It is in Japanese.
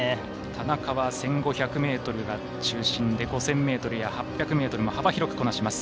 田中は１５００ｍが中心で５０００ｍや８００ｍも幅広くこなします。